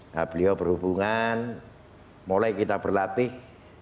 nah beliau berhubungan mulai kita berlatih